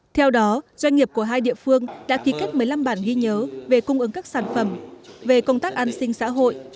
theo đó doanh nghiệp của hai địa phương đã ký kết một mươi năm bản ghi nhớ về cung ứng các sản phẩm về công tác an sinh xã hội